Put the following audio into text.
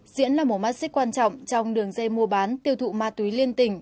diễn là một mắt xích quan trọng trong đường dây mua bán tiêu thụ ma túy liên tỉnh